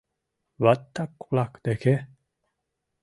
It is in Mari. Баттак-влак деке?